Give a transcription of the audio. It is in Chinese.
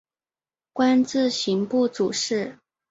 官至刑部主事。